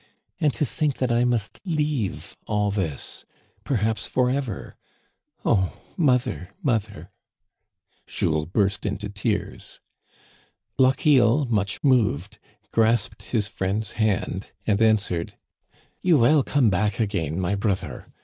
And to think that I must leave all this — perhaps forever ! O mother, mother !" Jules burst into tears. Lochiel, much moved, grasped his friend's hand and answered :You will come back again, my brother.